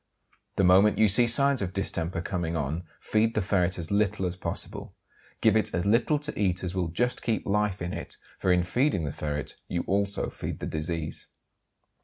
The moment you see signs of distemper coming on feed the ferret as little as possible. Give it as little to eat as will just keep life in it, for in feeding the ferret you also feed the disease.